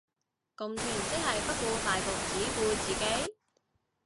共存即係不顧大局只顧自己